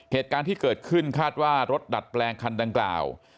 เหตุการณ์ที่เกิดขึ้นคาดว่ารถดัดแปลงคันดังกล่าว